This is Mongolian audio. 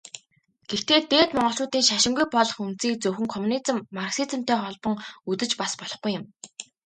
Гэхдээ Дээд Монголчуудын шашингүй болох үндсийг зөвхөн коммунизм, марксизмтай холбон үзэж бас болохгүй юм.